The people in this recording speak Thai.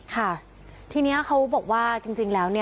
ค่ะทีนี้เขาบอกว่าจริงแล้ว